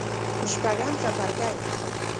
شپږم څپرکی